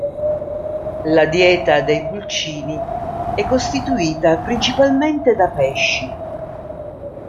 La dieta dei pulcini è costituita principalmente da pesci.